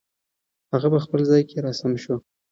هغه په خپل ځای کې را سم شو.